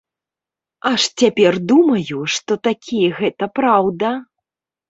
Аж цяпер думаю, што такі гэта праўда.